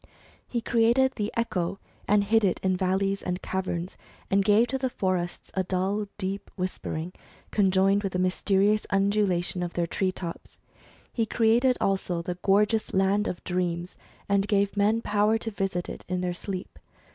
He created the echo, and hid it in valleys and caverns, and gave to the forests a dull deep whisper ing, conjoined with a mysterious undulation of their tree tops. He created also the gorgeous land of dreams, and gave men power to visit it in their sleep.